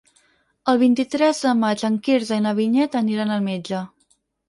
El vint-i-tres de maig en Quirze i na Vinyet aniran al metge.